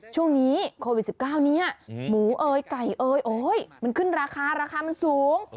ช่วงนี้โควิด๑๙นี้หมูเอ๋ยไก่เอ้ยโอ๊ยมันขึ้นราคาราคามันสูง